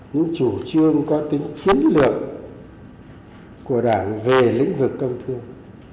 những chủ trương có tính chiến lược của đảng về lĩnh vực công thương